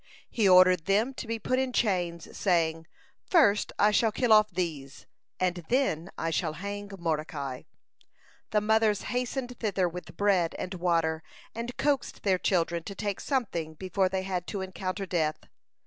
He ordered them to be put in chains, saying: "First I shall kill off these, and then I shall hang Mordecai." The mothers hastened thither with bread and water, and coaxed their children to take something before they had to encounter death.